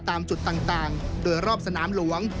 ตามจุดต่างโดยรอบสนามหลวง